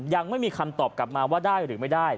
ยังไม่มีคำตอบกลับมาว่าได้หรือไม่ได้